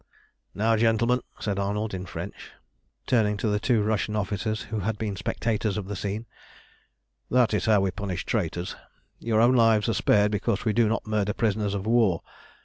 "Now, gentlemen," said Arnold in French, turning to the two Russian officers who had been spectators of the scene, "that is how we punish traitors. Your own lives are spared because we do not murder prisoners of war.